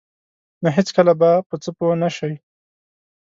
نو هیڅکله به په څه پوه نشئ.